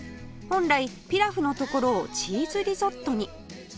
本来ピラフのところをチーズリゾットに